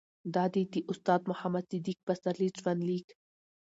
دا دي د استاد محمد صديق پسرلي ژوند ليک